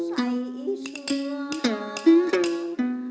chúng lời thơ lòng say xua